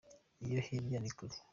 Iyo hirya ni kure.